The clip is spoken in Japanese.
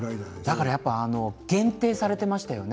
だから限定されていましたよね。